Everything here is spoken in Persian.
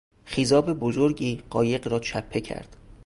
خیزاب بزرگی قایق را چپه کرد.